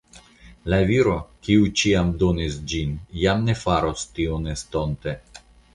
La viro, kiu ĉiam donis ĝin, jam ne faros tion estonte.